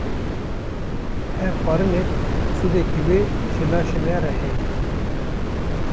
Her xwarinek sûdeke wê ji laşê me re heye.